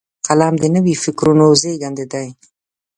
قلم د نوي فکرونو زیږنده دی